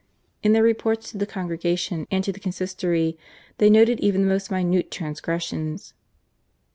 In their reports to the Congregation and to the Consistory they noted even the most minute transgressions.